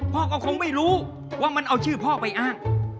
พ่อก็คงไม่รู้ว่ามันเอาชื่อพ่อไปอ้าง